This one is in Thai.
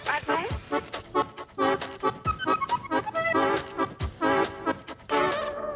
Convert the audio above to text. แต่งไทยเป็นใคร